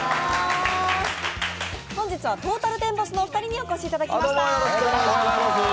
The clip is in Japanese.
本日はトータルテンボスのお二人にお越しいただきました。